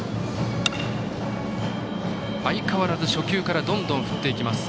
相変わらず初球からどんどん振ってきます。